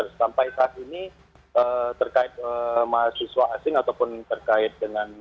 sampai saat ini terkait mahasiswa asing ataupun terkait dengan